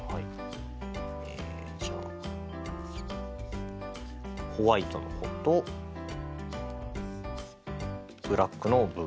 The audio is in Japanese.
えじゃあホワイトの「ホ」とブラックの「ブ」。